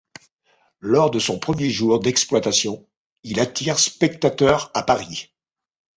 Lors de son premier jour d'exploitation, il attire spectateurs à Paris.